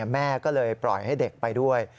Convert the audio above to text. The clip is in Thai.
แม่ก็เลยปล่อยให้เด็กไปด้วย